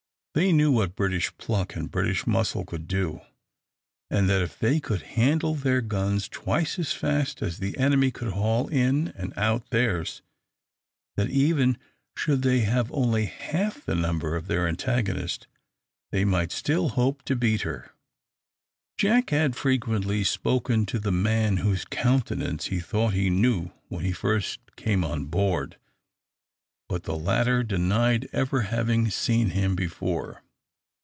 They knew what British pluck and British muscle could do, and that if they could handle their guns twice as fast as the enemy could haul in and out theirs, that even should they have only half the number of their antagonist, they might still hope to beat her. Jack had frequently spoken to the man whose countenance he thought he knew when he first came on board, but the latter denied ever having seen him before.